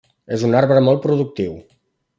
És un arbre molt productiu.